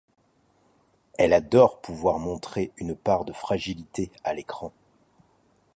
Elle adore pouvoir montrer une part de fragilité à l'écran.